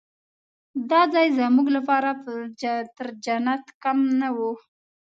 دا ځای زموږ لپاره تر جنت کم نه و.